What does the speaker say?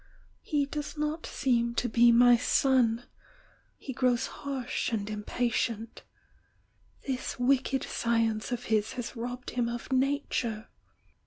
He does not seem to be my son— he grows harsh and impa tient, — this wicked science of his has robbed him of nature!